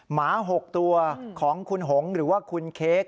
หมา๖ตัวของคุณหงหรือว่าคุณเค้ก